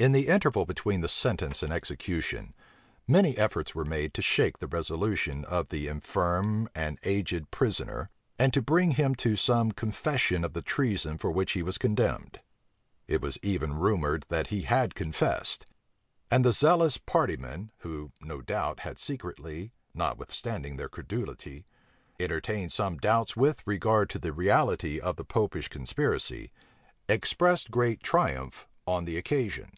In the interval between the sentence and execution, many efforts were made to shake the resolution of the infirm and aged prisoner, and to bring him to some confession of the treason for which he was condemned. It was even rumored that he had confessed; and the zealous partymen, who, no doubt, had secretly, notwithstanding their credulity, entertained some doubts with regard to the reality of the Popish conspiracy, expressed great triumph on the occasion.